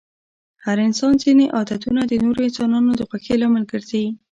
د هر انسان ځيني عادتونه د نورو انسانانو د خوښی لامل ګرځي.